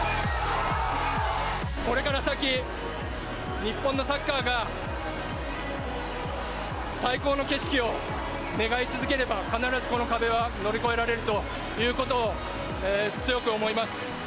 これから先、日本のサッカーが最高の景色を願い続ければ、必ずこの壁は乗り越えられるということを強く思います。